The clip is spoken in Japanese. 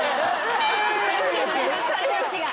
違う。